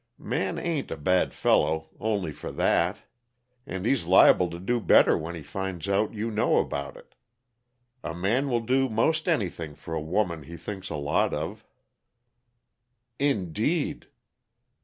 Man ain't a bad fellow, only for that. And he's liable to do better when he finds out you know about it. A man will do 'most anything for a woman he thinks a lot of." "Indeed!"